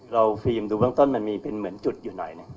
ฟิล์มดูเบื้องต้นมันมีเป็นเหมือนจุดอยู่หน่อยหนึ่ง